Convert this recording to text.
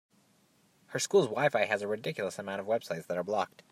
Her school’s WiFi has a ridiculous amount of websites that are blocked.